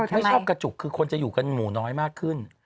ไม่ชอบกระจุกคือคนจะอยู่กันหมู่น้อยมากขึ้น